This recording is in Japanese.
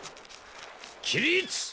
起立！